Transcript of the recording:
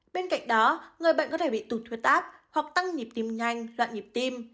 bên cạnh đó người bệnh có thể bị tụt huyết áp hoặc tăng nhịp tim nhanh loạn nhịp tim